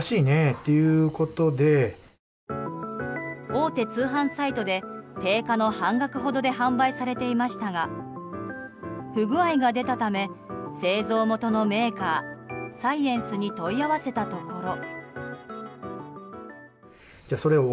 大手通販サイトで定価の半額ほどで販売されていましたが不具合が出たため製造元のメーカーサイエンスに問い合わせたところ。